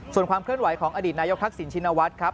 ส่วนความเคลื่อนไหวของอดีตนายกทักษิณชินวัฒน์ครับ